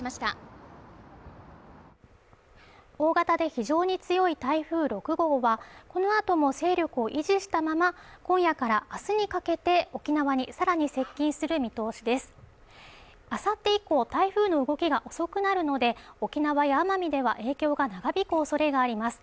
大型で非常に強い台風６号はこのあとも勢力を維持したまま今夜からあすにかけて沖縄にさらに接近する見通しですあさって以降台風の動きが遅くなるので沖縄や奄美では影響が長引く恐れがあります